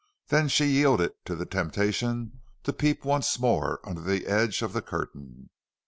Then she yielded to the temptation to peep once more under the edge of the curtain.